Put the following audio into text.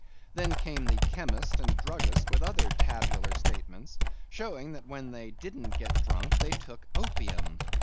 Then came the chemist and druggist, with other tabular statements, showing that when they didn't get drunk, they took opium.